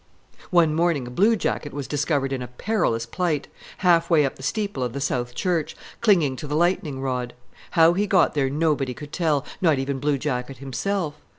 One morning a blue jacket was discovered in a perilous plight, half way up the steeple of the South Church, clinging to the lightning rod. How he got there nobody could tell, not even blue jacket himself.